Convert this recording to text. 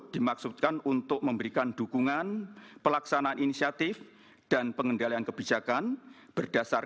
dan lembaga dan kesejahteraan